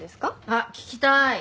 あっ聞きたい！